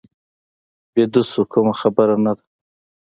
بیده شو، کومه خبره نه ده.